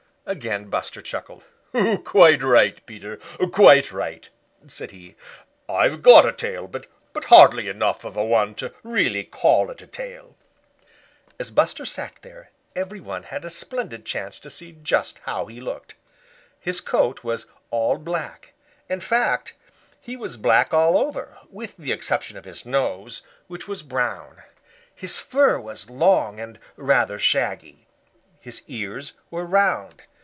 Again Buster chuckled. "Quite right, Peter; quite right," said he. "I've got a tail, but hardly enough of a one to really call it a tail." As Buster sat there, every one had a splendid chance to see just how he looked. His coat was all black; in fact he was black all over, with the exception of his nose, which was brown. His fur was long and rather shaggy. His ears were round.